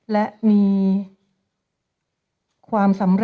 และจำเป็นว่าช่วยมาก